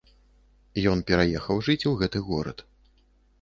Ён пераехаў жыць у гэты горад.